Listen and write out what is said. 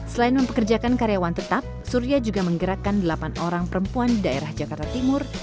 selain mempekerjakan karyawan tetap surya juga menggerakkan delapan orang perempuan di daerah jakarta timur